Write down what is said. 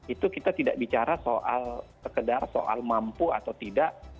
itu kita tidak bicara soal sekedar soal mampu atau tidak